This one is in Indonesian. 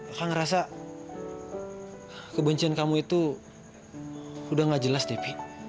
aku ngerasa kebencian kamu itu udah gak jelas depi